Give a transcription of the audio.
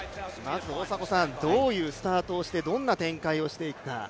どういうスタートをして、どういう展開をしていくか。